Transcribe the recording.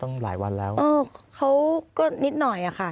ขอมอบจากท่านรองเลยนะครับขอมอบจากท่านรองเลยนะครับขอมอบจากท่านรองเลยนะครับ